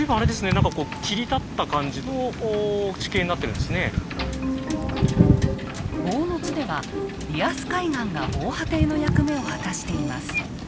何かこう坊津ではリアス海岸が防波堤の役目を果たしています。